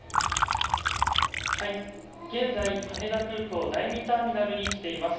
現在、羽田空港第２ターミナルに来ています。